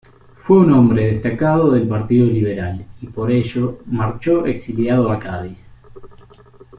Fue un hombre destacado del Partido Liberal y por ello marchó exiliado a Cádiz.